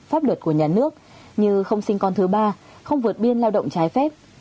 pháp luật của nhà nước như không sinh con thứ ba không vượt biên lao động trái phép